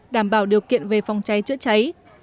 đảm bảo điều kiện về phòng cháy chữa cháy